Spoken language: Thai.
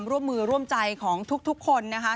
ร่วมมือร่วมใจของทุกคนนะคะ